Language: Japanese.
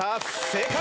正解！